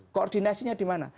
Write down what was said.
koordinasinya di mana